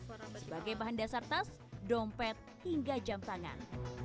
berbagai bahan dasar tas dompet hingga jam tangan